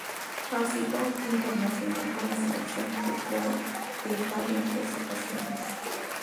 Ha sido internacional con la selección de fútbol de Italia en tres ocasiones.